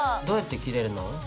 どうやって切れるの？